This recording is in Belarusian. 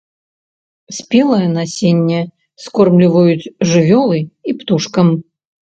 Спелае насенне скормліваюць жывёлы і птушкам.